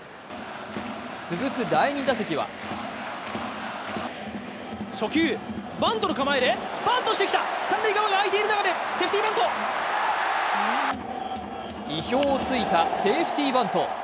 続く第２打席は意表を突いたセーフティバント。